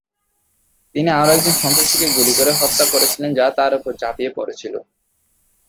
তিনি আরও একজন সন্ত্রাসীকে গুলি করে হত্যা করেছিলেন যা তাঁর উপর ঝাঁপিয়ে পড়েছিল।